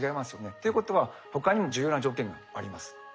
っていうことは他にも重要な条件があります。